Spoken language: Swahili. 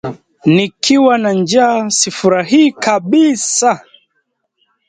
Nikiwa na njaa sifurahii kabisa